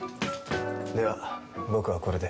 では僕はこれで。